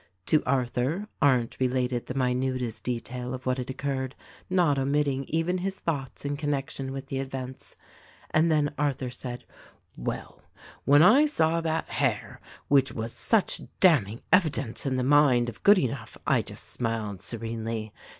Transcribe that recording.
To Arthur, Arndt related the minutest detail of what had occurred, not omitting even his thoughts in connection with the events. And then Arthur said : "Well, when I saw that hair which was such damning evidence in the mind of Goodenough, I just smiled serenely.